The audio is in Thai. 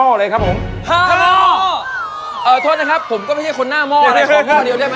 เออโทษนะครับผมก็ไม่ใช่คนหน้าหม้ออะไรของคนเดียวได้ไหม